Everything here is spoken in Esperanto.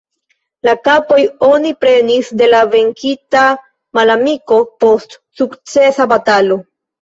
La kapojn oni prenis de la venkita malamiko, post sukcesa batalo.